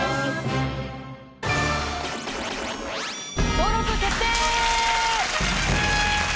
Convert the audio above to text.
登録決定！